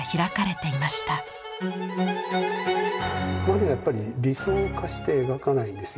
マネはやっぱり理想化して描かないんですよ